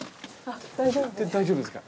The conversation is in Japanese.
大丈夫ですか？